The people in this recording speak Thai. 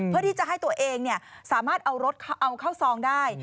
เพื่อที่จะให้ตัวเองสามารถเอารถเอาเข้าซองได้